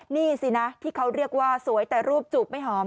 นี่สินะที่เขาเรียกว่าสวยแต่รูปจูบไม่หอม